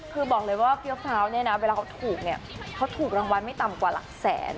คือบอกเลยว่าเฟี้ยวพร้าวเนี่ยนะเวลาเขาถูกเนี่ยเขาถูกรางวัลไม่ต่ำกว่าหลักแสน